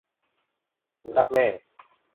หนูรักแม่